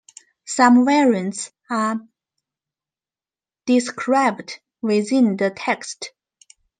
Some variants are described within the text.